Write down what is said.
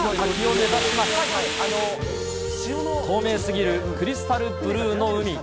透明すぎるクリスタルブルーの海。